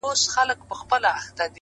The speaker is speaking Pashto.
هره پوښتنه د نوې دروازې کلی ده.!